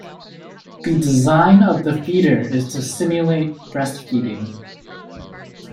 The design of the feeder is to simulate breastfeeding.